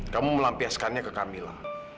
kamu melampiaskannya ke camilla